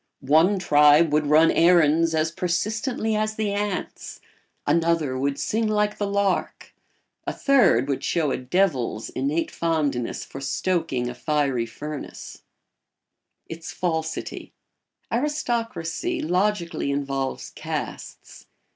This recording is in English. One tribe would run errands as persistently as the ants; another would sing like the lark; a third would show a devil's innate fondness for stoking a fiery furnace. [Sidenote: Its falsity.] Aristocracy logically involves castes.